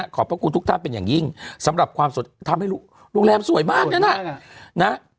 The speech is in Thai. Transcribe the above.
ขอบพระคุณทุกท่านเป็นอย่างยิ่งสำหรับความทำให้โรงแรมสวยมากนั้นน่ะนะ